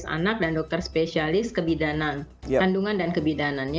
spesialis anak dan dokter spesialis kebidanan kandungan dan kebidanan